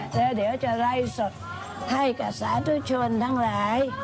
แล้วเดี๋ยวจะไล่สดให้กับสาธุชนทั้งหลาย